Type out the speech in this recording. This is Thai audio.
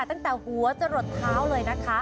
ตั้งแต่หัวจะหลดเท้าเลยนะคะ